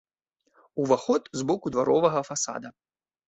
Уваход з боку дваровага фасада.